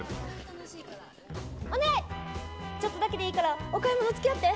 ちょっとだけでいいから、お買い物つきあって。